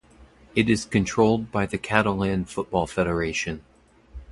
It is controlled by the Catalan Football Federation.